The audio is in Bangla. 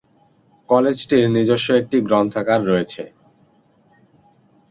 কলেজটির নিজস্ব একটি গ্রন্থাগার আছে।